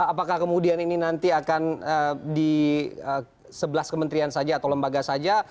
apakah kemudian ini nanti akan di sebelah kementerian saja atau lembaga saja